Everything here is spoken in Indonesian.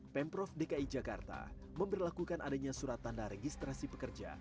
pemprov dki jakarta memperlakukan adanya surat tanda registrasi pekerja